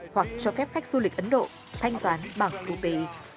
hoặc cho phép khách du lịch ấn độ thanh toán bằng thú vị